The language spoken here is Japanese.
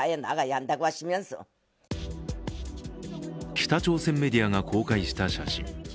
北朝鮮メディアが公開した写真。